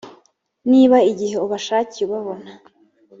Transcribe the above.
niba igihe ubashakiye ubabona